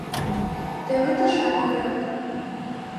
- Теве тышан ӱдат